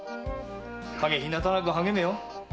陰ひなたなく励めよ。